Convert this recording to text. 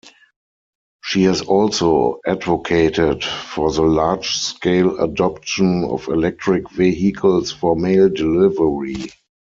She has also advocated for the large-scale adoption of electric vehicles for mail delivery.